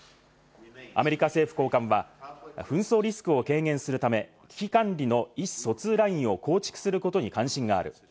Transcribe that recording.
アメリカ政府高官は、紛争リスクを軽減するため、危機管理の意思疎通ラインを構築することに関心がある。